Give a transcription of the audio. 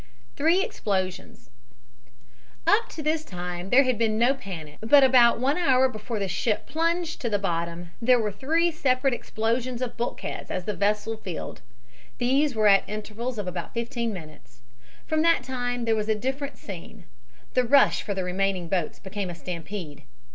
THREE EXPLOSIONS Up to this time there had been no panic; but about one hour before the ship plunged to the bottom there were three separate explosions of bulkheads as the vessel filled. These were at intervals of about fifteen minutes. From that time there was a different scene. The rush for the remaining boats became a stampede.